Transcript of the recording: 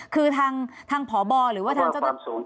คือทางพบหรือว่าทางเจ้าหน้าที่